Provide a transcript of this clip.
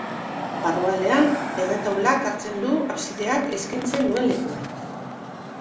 Barrualdean, erretaulak hartzen du absideak eskaintzen duen lekua.